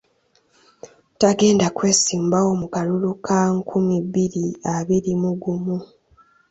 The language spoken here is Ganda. Tagenda kwesimbawo mu kalulu ka nkumi bbiri abiri mu gumu.